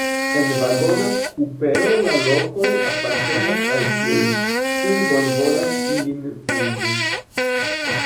En vagona kupeo la lokoj apartenas al tiuj, kiuj bonvolas ilin uzi.